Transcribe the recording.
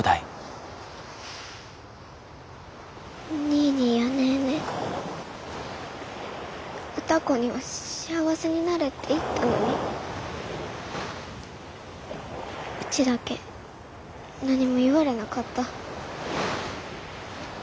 ニーニーやネーネー歌子には「幸せになれ」って言ったのにうちだけ何も言われなかった。